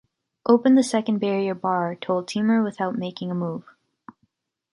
‘Open the second barrier bar’, told Timur without making a move.